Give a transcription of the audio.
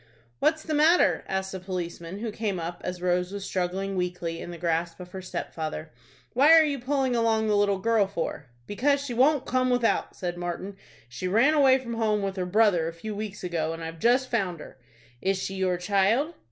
"What is the matter?" asked a policeman, who came up as Rose was struggling weakly in the grasp of her stepfather. "What are you pulling along the little girl for?" "Because she won't come without," said Martin. "She ran away from home with her brother a few weeks ago, and I've just found her." "Is she your child?"